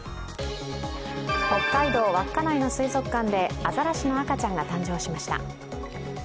北海道稚内の水族館でアザラシの赤ちゃんが誕生しました。